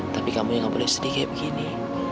tapi kamu gak boleh sedih kayak begini